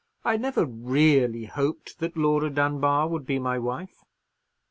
"I never really hoped that Laura Dunbar would be my wife."